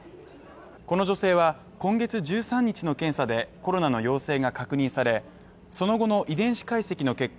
この女性は、今月１３日の検査でコロナの陽性が確認されその後の遺伝子解析の結果